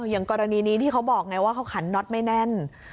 อย่างกรณีนี้ที่เขาบอกไงว่าเขาขันน็อตไม่แน่น